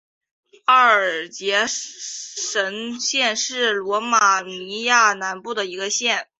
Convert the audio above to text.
阿尔杰什县是罗马尼亚南部的一个县。